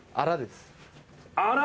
アラ？